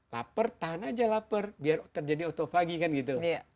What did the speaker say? laper tahan aja lapar biar terjadi otophagy kan gitu